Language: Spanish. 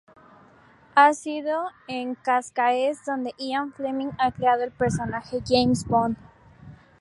Ha sido en Cascaes donde Ian Fleming ha creado el personaje James Bond.